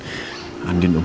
buka pintunya buka